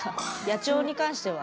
野鳥に関しては。